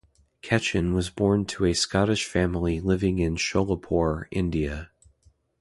Ketchen was born to a Scottish family living in Sholopore, India.